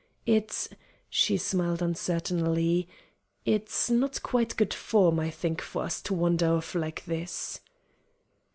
"It" she smiled uncertainly "it's not quite good form, I think, for us to wander off like this."